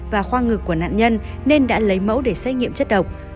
và khoa ngực của nạn nhân nên đã lấy mẫu để xét nghiệm chất độc